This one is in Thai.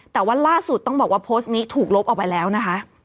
แต่ว่าล่าสุดต้องบอกว่าโพสต์นี้ถูกลบออกไปแล้วนะคะ